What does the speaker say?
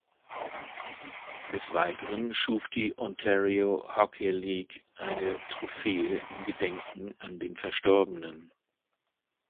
Des Weiteren schuf die Ontario Hockey League eine Trophäe im Gedenken an den Verstorbenen.